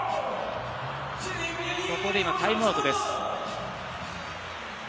ここで今、タイムアウトです。